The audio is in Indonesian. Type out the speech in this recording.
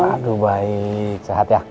aduh baik sehat ya